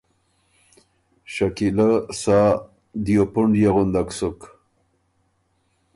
شکیلۀ سا دیو پُنډيې غُندک سُک،